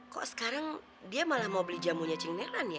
kok sekarang dia malah mau beli jamunya cingnelan ya